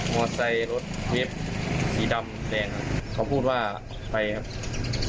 มอสไซค์รถเว็บสีดำแดงเขาพูดว่าไปครับ